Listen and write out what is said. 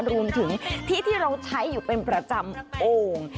รวมถึงที่ที่เราใช้อยู่เป็นประจำโอ่ง